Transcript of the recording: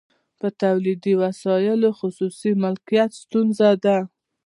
په تولیدي وسایلو خصوصي مالکیت ستونزه ده